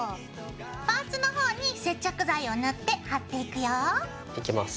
パーツのほうに接着剤を塗って貼っていくよ。いきます。